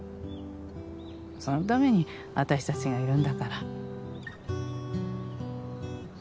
そのために私たちがいるんだから。